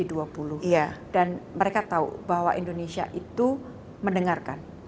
dan mereka tahu bahwa indonesia itu mendengarkan